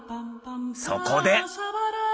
そこで。